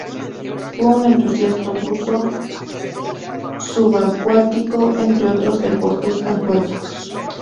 Fue un entusiasta buzo subacuático entre otros deportes acuáticos.